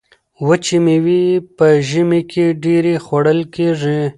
وچې میوې په ژمي کې ډیرې خوړل کیږي.